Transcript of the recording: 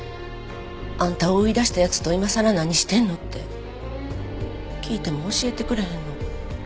「あんたを追い出した奴と今さら何してんの？」って聞いても教えてくれへんの。